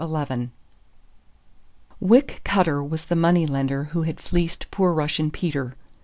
XI WICK CUTTER was the money lender who had fleeced poor Russian Peter.